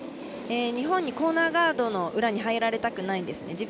日本にコーナーガードの裏に入られたくないんですね。